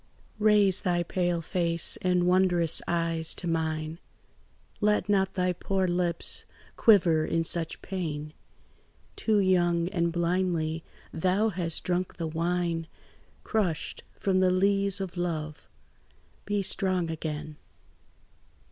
"Raise thy pale face and wondrous eyes to mine; Let not thy poor lips quiver in such pain; Too young and blindly thou hast drunk the wine Crushed from the lees of love. Be strong again.